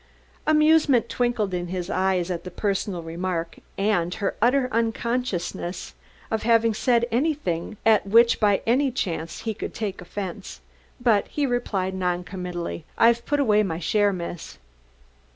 Amusement twinkled in his eyes at the personal remark and her utter unconsciousness of having said anything at which by any chance he could take offense, but he replied noncommittally: "I've put away my share, Miss."